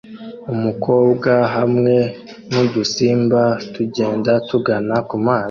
Umukobwa hamwe nudusimba tugenda tugana kumazi